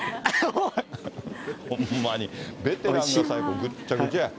ほんまに、ベテランが、最後ぐっちゃぐちゃや。